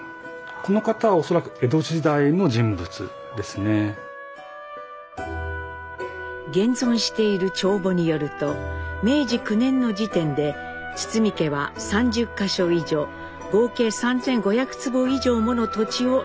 この方は恐らく江戸時代の人物ですね。現存している帳簿によると明治９年の時点で堤家は３０か所以上合計３，５００坪以上もの土地を所有していました。